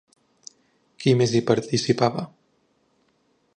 Qui més hi participava?